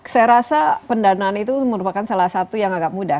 saya rasa pendanaan itu merupakan salah satu yang agak mudah